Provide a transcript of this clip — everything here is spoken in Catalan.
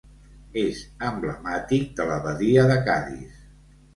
És emblemàtic de la badia de Cadis.